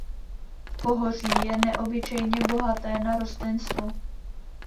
Pohoří je neobyčejně bohaté na rostlinstvo.